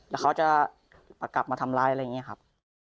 แล้วเขาจะกลับมาทำร้ายอะไรอย่างนี้ครับ